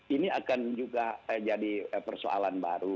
ini akan juga jadi persoalan baru